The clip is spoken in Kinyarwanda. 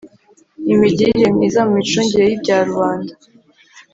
imigirire myiza mu micungire y’ibyarubanda